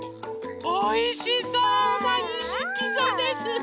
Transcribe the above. おいしそうないしピザですね！